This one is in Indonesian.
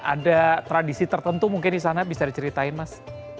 ada tradisi tertentu mungkin di sana bisa diceritain mas